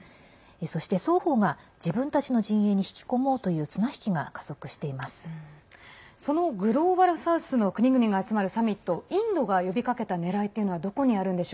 そして、双方が自分たちの陣営に引き込もうという綱引きが加速しています。